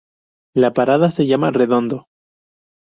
La parada se llama Redondo.